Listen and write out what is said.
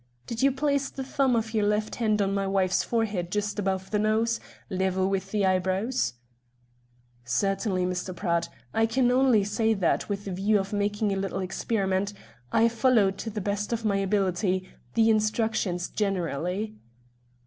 Did you place the thumb of your left hand on my wife's forehead just above the nose, level with the eyebrows?" "Really, Mr. Pratt, I can only say that, with the view of making a little experiment, I followed, to the best of my ability, the instructions generally."